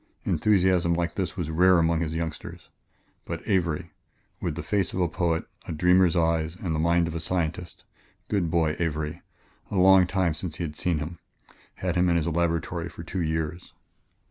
Enthusiasm like this was rare among his youngsters. But Avery with the face of a poet, a dreamer's eyes and the mind of a scientist good boy, Avery! a long time since he had seen him had him in his own laboratory for two years....